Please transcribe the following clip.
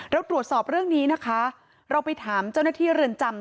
เราตรวจสอบเรื่องนี้นะคะเราไปถามเจ้าหน้าที่เรือนจำ